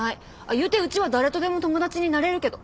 言うてうちは誰とでも友達になれるけど。